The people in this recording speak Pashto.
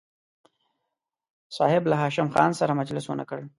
صاحب له هاشم خان سره مجلس ونه کړ.